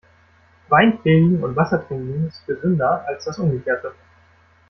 Wein predigen und Wasser trinken ist gesünder als das Umgekehrte.